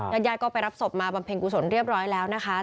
ญาติญาติก็ไปรับศพมาบำเพ็ญกุศลเรียบร้อยแล้วนะคะ